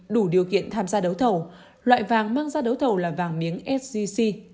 đủ điều kiện tham gia đấu thầu loại vàng mang ra đấu thầu là vàng miếng sgc